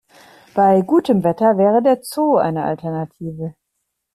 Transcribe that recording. Bei gutem Wetter wäre der Zoo eine Alternative.